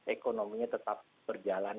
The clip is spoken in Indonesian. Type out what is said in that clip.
ekonominya tetap berjalan